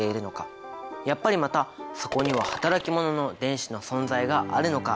やっぱりまたそこには働き者の電子の存在があるのか？